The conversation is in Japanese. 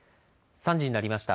３時になりました。